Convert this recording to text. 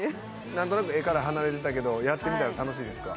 何となく絵から離れてたけどやってみたら楽しいですか？